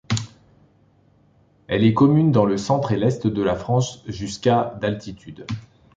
Elle est commune dans le centre et l'est de la France, jusqu'à d'altitude.